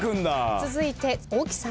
続いて大木さん。